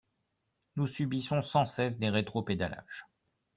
Nous subissons sans cesse des rétropédalages.